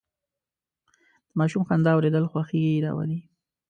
د ماشوم خندا اورېدل خوښي راولي.